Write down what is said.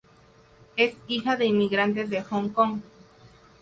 Es hija de inmigrantes de Hong Kong.